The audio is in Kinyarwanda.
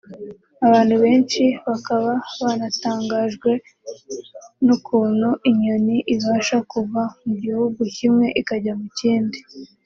Abantu benshi bakaba banatangajwe n’ukuntu inyoni ibasha kuva mu gihugu kimwe ikajya mu kindi